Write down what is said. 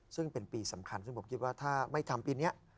ซึ่งเป็นปีสำคัญซึ่งผมคิดว่าถ้าไม่ทำปีนี้